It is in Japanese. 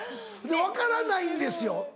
分からないんですよ